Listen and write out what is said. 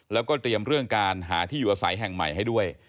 แล้วก็เตรียมเรื่องการหาที่อยู่อาศัยแห่งใหม่ให้ด้วย